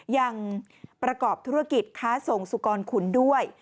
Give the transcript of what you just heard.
ยังประกอบธุรกิจค้าส่งสุกรขุนด้วย